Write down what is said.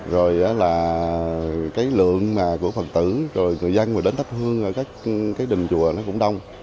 rồi lượng của phật tử người dân đến thắp hương các đình chùa cũng đông